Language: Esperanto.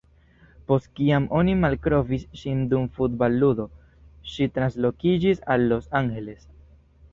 Post kiam oni malkovris ŝin dum futbal-ludo, ŝi translokiĝis al Los Angeles.